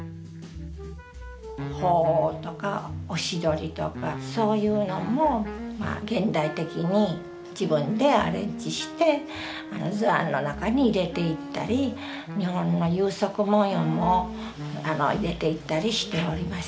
鳳凰とかオシドリとかそういうのも現代的に自分でアレンジして図案の中に入れていったり日本の有職文様も入れていったりしております。